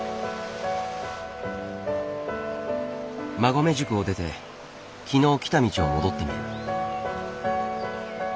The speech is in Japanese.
馬籠宿を出て昨日来た道を戻ってみる。